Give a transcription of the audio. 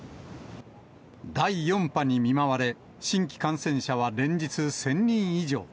第４波に見舞われ、新規感染者は連日１０００人以上。